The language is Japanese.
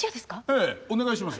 ええお願いします。